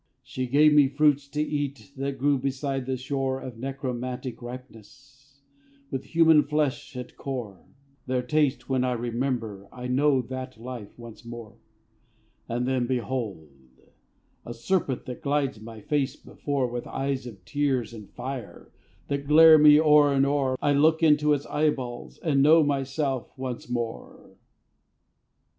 She gave me fruits to eat of That grew beside the shore, Of necromantic ripeness, With human flesh at core Their taste when I remember I know that life once more. And then, behold! a serpent, That glides my face before, With eyes of tears and fire That glare me o'er and o'er I look into its eyeballs, And know myself once more.